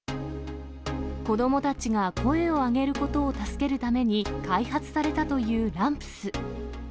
子どもたちが声を上げることを助けるために、開発されたというＲＡＭＰＳ。